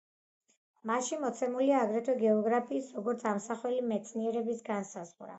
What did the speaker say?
მასში მოცემულია აგრეთვე გეოგრაფიის, როგორც ამხსნელი მეცნიერების, განსაზღვრა.